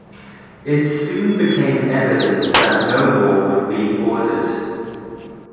It soon became evident that no more would be ordered.